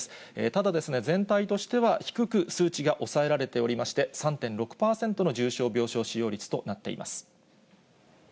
ただ、全体としては低く数値が抑えられておりまして、３．６％の重症病床使用率となっています。